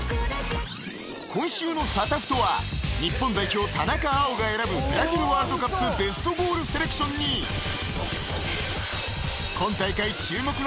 ［今週の『サタフト』は日本代表田中碧が選ぶブラジルワールドカップベストゴールセレクションに今大会注目のスーパーサブ］